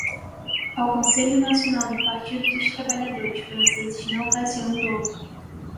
Ao Conselho Nacional do Partido dos Trabalhadores Franceses na Ocasião do